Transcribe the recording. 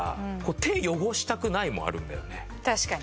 確かに。